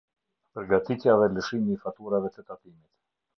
Përgatitja dhe lëshimi i faturave të tatimit.